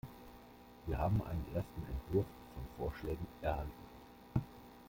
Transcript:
Wir haben einen ersten Entwurf von Vorschlägen erhalten.